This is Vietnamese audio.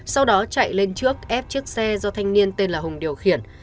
sau đó chạy lên trước ép chiếc xe do thanh niên tên là hùng điều khiển